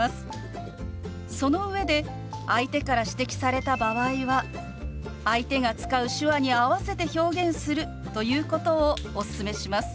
その上で相手から指摘された場合は相手が使う手話に合わせて表現するということをおすすめします。